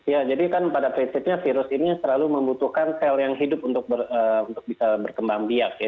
ya jadi kan pada prinsipnya virus ini selalu membutuhkan sel yang hidup untuk bisa berkembang biak ya